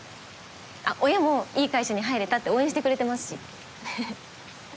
あっ親もいい会社に入れたって応援してくれてますしははっ。